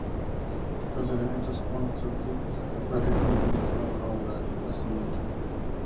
Los elementos constructivos parecen demostrar una obra del Renacimiento.